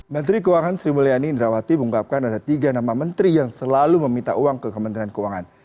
menteri keuangan sri mulyani indrawati mengungkapkan ada tiga nama menteri yang selalu meminta uang ke kementerian keuangan